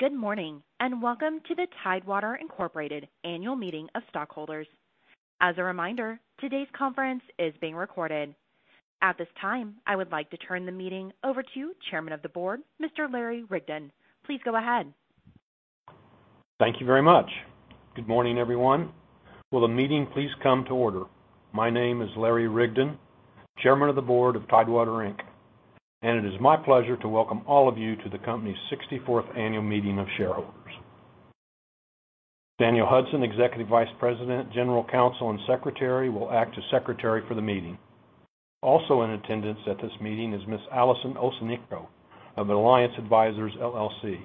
Good morning, and welcome to the Tidewater Incorporated. annual meeting of stockholders. As a reminder, today's conference is being recorded. At this time, I would like to turn the meeting over to Chairman of the Board, Mr. Larry Rigdon. Please go ahead. Thank you very much. Good morning, everyone. Will the meeting please come to order? My name is Larry Rigdon, Chairman of the Board of Tidewater Inc., and it is my pleasure to welcome all of you to the company's 64th annual meeting of shareholders. Daniel Hudson, Executive Vice President, General Counsel and Secretary, will act as secretary for the meeting. Also in attendance at this meeting is Ms. Alyson Osenenko of Alliance Advisors, LLC.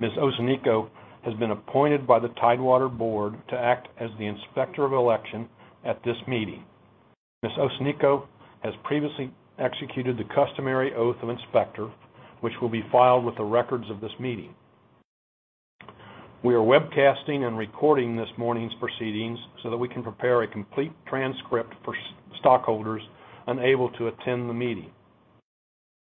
Ms. Osenenko has been appointed by the Tidewater board to act as the inspector of election at this meeting. Ms. Osenenko has previously executed the customary oath of inspector, which will be filed with the records of this meeting. We are webcasting and recording this morning's proceedings so that we can prepare a complete transcript for stockholders unable to attend the meeting.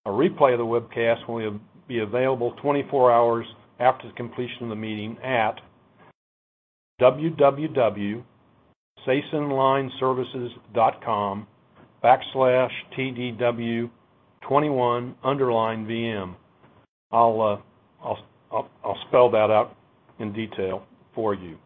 A replay of the webcast will be available 24 hours after the completion of the meeting at www.cesonlineservices.com/tdw21_vm. I'll spell that out in detail for you,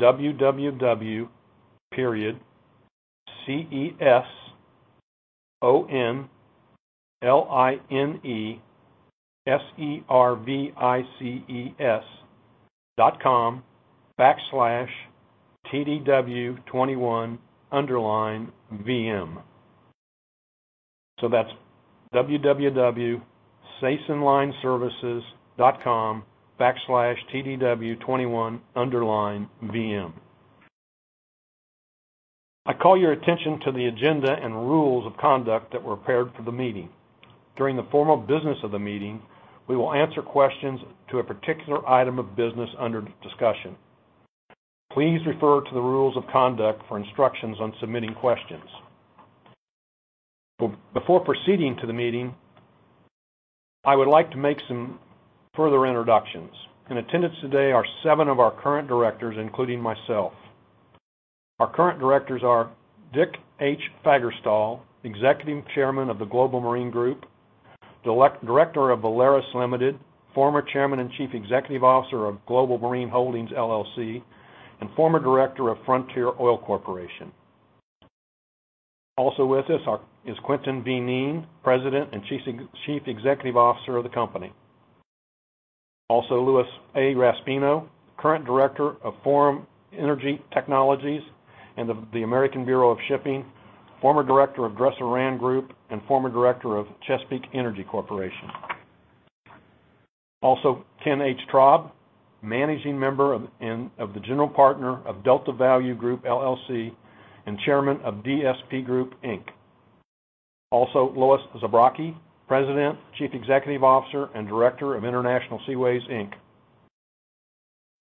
www.c-e-s-o-n-l-i-n-e-s-e-r-v-i-c-e-s.com/tdw21_vm. That's www.cesonlineservices.com/tdw21_vm. I call your attention to the agenda and rules of conduct that were prepared for the meeting. During the formal business of the meeting, we will answer questions to a particular item of business under discussion. Please refer to the rules of conduct for instructions on submitting questions. Before proceeding to the meeting, I would like to make some further introductions. In attendance today are seven of our current Directors, including myself. Our current Directors are Dick H. Fagerstal, Executive Chairman of the Global Marine Group, Director of Valaris Limited, former Chairman and Chief Executive Officer of Global Marine Holdings LLC, and former Director of Frontier Oil Corporation. Also with us is Quintin Kneen, president and chief executive officer of the company. Also Louis Raspino, current director of Forum Energy Technologies and of the American Bureau of Shipping, former director of Dresser-Rand Group, and former director of Chesapeake Energy Corporation. Also Ken H. Traub, managing member of the general partner of Delta Value Group LLC and chairman of DSP Group, Inc. Also Lois Zabrocky, president, chief executive officer, and director of International Seaways Inc.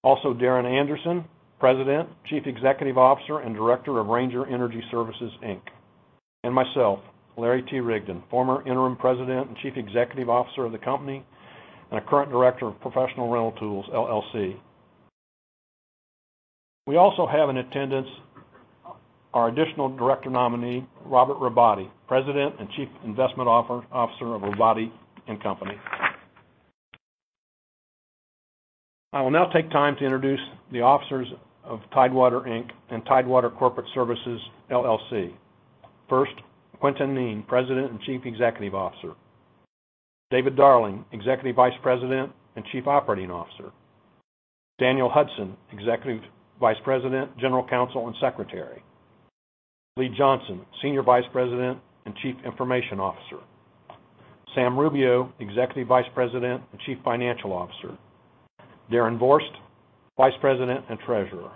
Also Darron M. Anderson, president, chief executive officer, and director of Ranger Energy Services Inc. Myself, Larry T. Rigdon, former interim president and chief executive officer of the company and a current director of Professional Rental Tools LLC. We also have in attendance our additional director nominee, Robert Robotti, president and chief investment officer of Robotti & Company. I will now take time to introduce the officers of Tidewater Inc. and Tidewater Corporate Services LLC. First, Quintin Kneen, President and Chief Executive Officer. David Darling, Executive Vice President and Chief Operating Officer. Daniel Hudson, Executive Vice President, General Counsel and Secretary. Lee Johnson, Senior Vice President and Chief Information Officer. Sam Rubio, Executive Vice President and Chief Financial Officer. Darren Vorst, Vice President and Treasurer.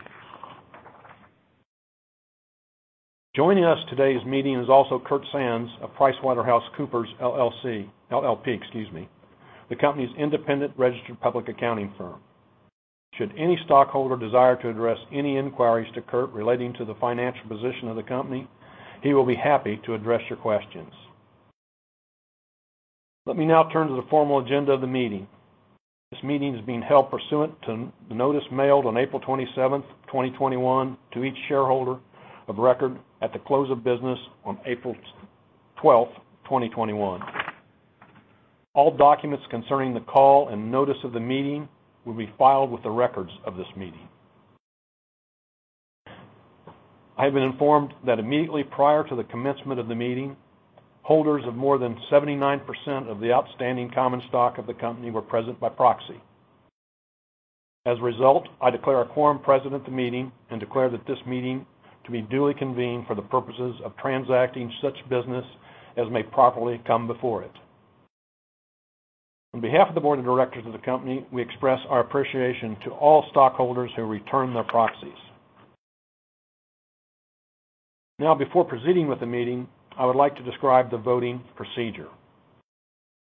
Joining us today's meeting is also Kurt Sands of PricewaterhouseCoopers LLP, the company's independent registered public accounting firm. Should any stockholder desire to address any inquiries to Kurt relating to the financial position of the company, he will be happy to address your questions. Let me now turn to the formal agenda of the meeting. This meeting is being held pursuant to notice mailed on April 27th, 2021, to each shareholder of record at the close of business on April 12th, 2021. All documents concerning the call and notice of the meeting will be filed with the records of this meeting. I have been informed that immediately prior to the commencement of the meeting, holders of more than 79% of the outstanding common stock of the company were present by proxy. As a result, I declare a quorum present at the meeting and declare that this meeting to be duly convened for the purposes of transacting such business as may properly come before it. On behalf of the board of directors of the company, we express our appreciation to all stockholders who returned their proxies. Before proceeding with the meeting, I would like to describe the voting procedure.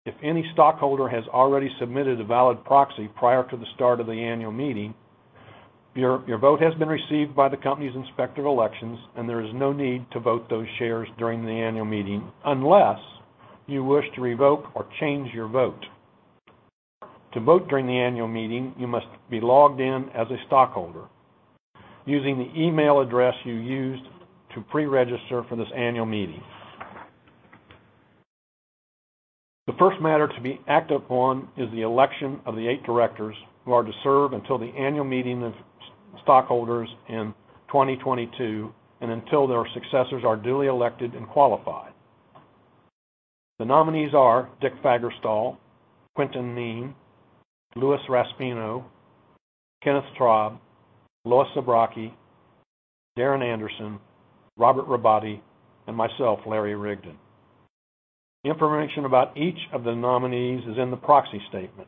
If any stockholder has already submitted a valid proxy prior to the start of the annual meeting. Your vote has been received by the company's Inspector of Elections, and there is no need to vote those shares during the annual meeting unless you wish to revoke or change your vote. To vote during the annual meeting, you must be logged in as a stockholder using the email address you used to pre-register for this annual meeting. The first matter to be acted upon is the election of the eight directors who are to serve until the annual meeting of stockholders in 2022 and until their successors are duly elected and qualified. The nominees are Dick Fagerstal, Quintin Kneen, Louis Raspino, Kenneth Traub, Lois Zabrocky, Darron Anderson, Robert Robotti, and myself, Larry Rigdon. Information about each of the nominees is in the proxy statement.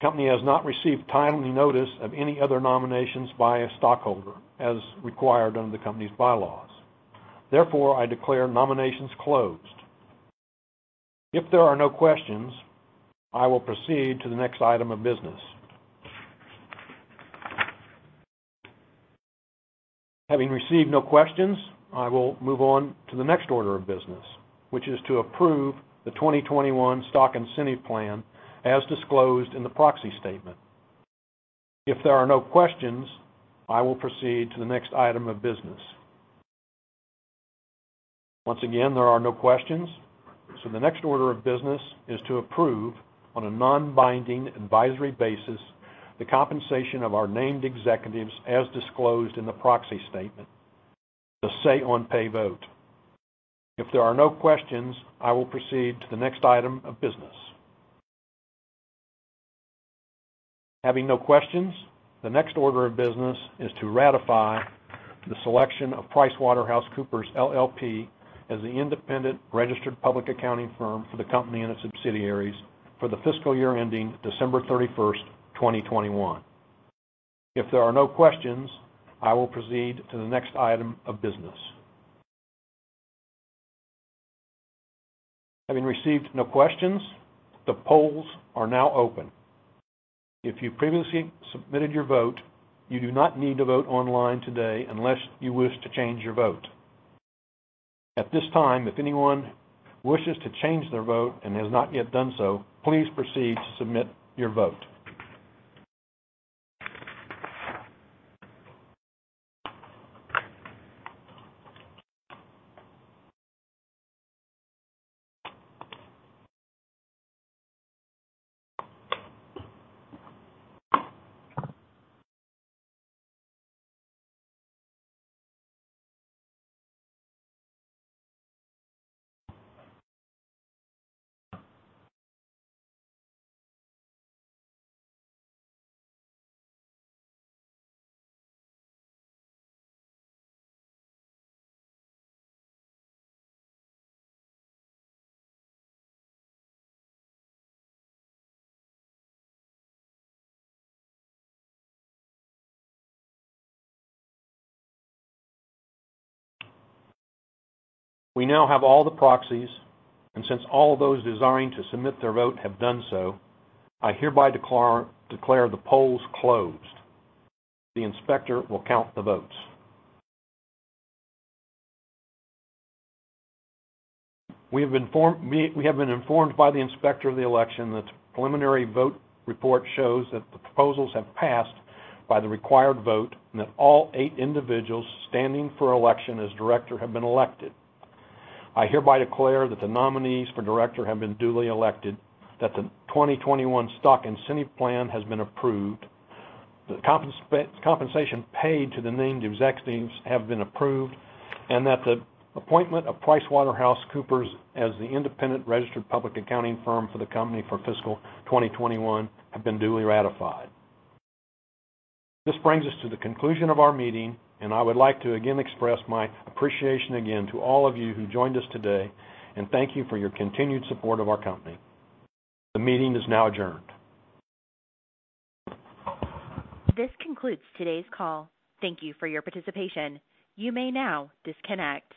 The company has not received timely notice of any other nominations by a stockholder, as required under the company's bylaws. Therefore, I declare nominations closed. If there are no questions, I will proceed to the next item of business. Having received no questions, I will move on to the next order of business, which is to approve the 2021 Stock Incentive Plan as disclosed in the proxy statement. If there are no questions, I will proceed to the next item of business. Once again, there are no questions, so the next order of business is to approve, on a non-binding advisory basis, the compensation of our named executives as disclosed in the proxy statement. The say on pay vote. If there are no questions, I will proceed to the next item of business. Having no questions, the next order of business is to ratify the selection of PricewaterhouseCoopers LLP as the independent registered public accounting firm for the company and its subsidiaries for the fiscal year ending December 31st, 2021. If there are no questions, I will proceed to the next item of business. Having received no questions, the polls are now open. If you previously submitted your vote, you do not need to vote online today unless you wish to change your vote. At this time, if anyone wishes to change their vote and has not yet done so, please proceed to submit your vote. We now have all the proxies, and since all those desiring to submit their vote have done so, I hereby declare the polls closed. The Inspector will count the votes. We have been informed by the Inspector of the Election that the preliminary vote report shows that the proposals have passed by the required vote and that all eight individuals standing for election as director have been elected. I hereby declare that the nominees for director have been duly elected, that the 2021 Stock Incentive Plan has been approved, the compensation paid to the named executives have been approved, and that the appointment of PricewaterhouseCoopers as the independent registered public accounting firm for the company for fiscal 2021 have been duly ratified. This brings us to the conclusion of our meeting, and I would like to again express my appreciation again to all of you who joined us today, and thank you for your continued support of our company. The meeting is now adjourned. This concludes today's call. Thank you for your participation. You may now disconnect.